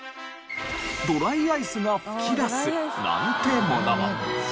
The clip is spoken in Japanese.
ドライアイスが噴き出すなんてものも。